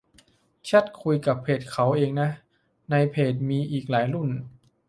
แชตคุยกับเพจเขาเองนะ ในเพจมีอีกหลายรุ่น